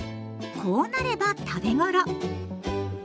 こうなれば食べ頃。